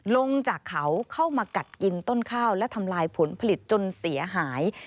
ลงจากเขาเข้ามากัดกินต้นข้าวและทำลายผลผลิตจนเสียหาย